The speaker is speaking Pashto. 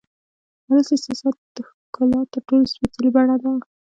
خالص احساس د ښکلا تر ټولو سپېڅلې بڼه ده.